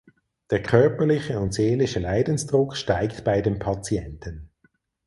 Der körperliche und seelische Leidensdruck steigt bei dem Patienten.